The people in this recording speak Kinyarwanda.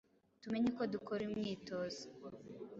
Tumenye uko dukora uyu mwitozo